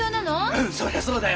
そりゃそうだよ。